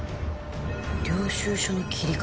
領収書の切り方。